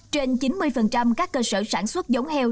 trên chín mươi các cơ sở sản xuất giống heo